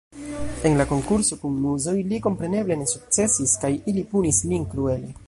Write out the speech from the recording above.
En la konkurso kun Muzoj li kompreneble ne sukcesis kaj ili punis lin kruele.